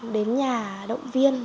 đến nhà động viên